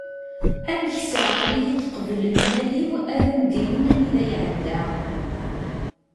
ameksa err-iyi-d qbel lmal-iw ad am-d-inin anida iεedda